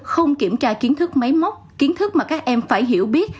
không kiểm tra kiến thức máy móc kiến thức mà các em phải hiểu biết